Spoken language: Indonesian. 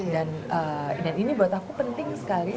dan ini buat aku penting sekali